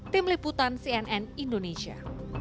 tim liputan cnn indonesia